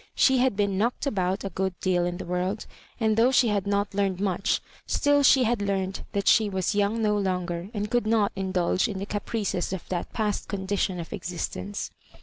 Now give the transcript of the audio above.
She had been knocked about a good deal in the world, and though she had not learned much, still she had learned that she was young no longer, and could not indulge in the caprices of that past conditioQ of existence.